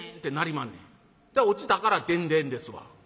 落ちたから『でんでん』ですわ」。